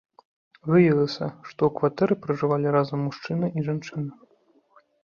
Выявілася, што ў кватэры пражывалі разам мужчына і жанчына.